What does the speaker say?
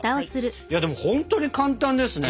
いやでもほんとに簡単ですね！